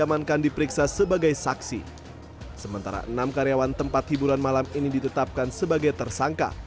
sementara enam karyawan tempat hiburan malam ini ditetapkan sebagai tersangka